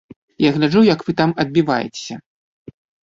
Я гляджу, як вы там адбіваецеся.